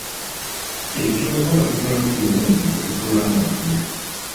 Ebitoogo babikolamu ebiwempe kwe tutuula nga tulya.